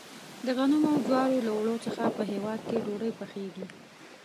د غنمو او جوارو له اوړو څخه په هیواد کې ډوډۍ پخیږي.